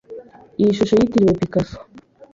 Iyi shusho yitiriwe Picasso.